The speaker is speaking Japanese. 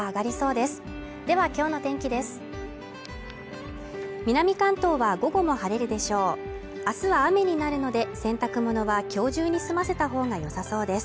では今日の天気です。